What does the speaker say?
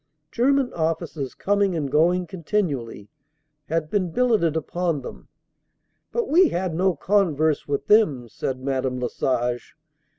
German officers, coming and going continually, had been billeted upon them. "But we had no converse with them," said Madame Lesage.